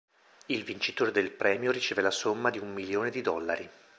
Il vincitore del premio riceve la somma di un milione di dollari.